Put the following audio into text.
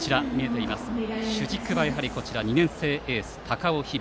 主軸は２年生エースの高尾響。